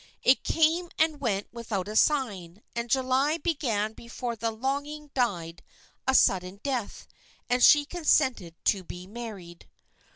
It came and went without a sign, and July began before the longing died a sudden death, and she consented to be married.